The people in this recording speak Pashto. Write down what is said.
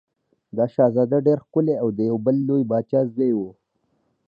دا شهزاده ډېر ښکلی او د یو بل لوی پاچا زوی و.